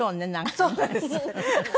そうなんです。